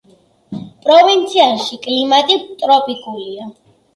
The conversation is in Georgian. პროვინციაში კლიმატი ტროპიკულია.